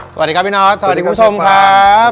สวัสดีครับพี่นอทสวัสดีคุณผู้ชมคร้าาาาาาาป